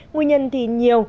nguyên nhân thì nhiều